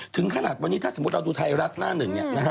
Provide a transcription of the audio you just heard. ถึงขนาดวันนี้ถ้าสมมติเราดูไทยรัฐหน้าหนึ่ง